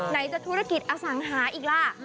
ไหนจะธุรกิจอสังหาอีกล่ะ